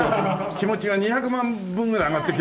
気持ちが２００万分ぐらい上がってきましたね。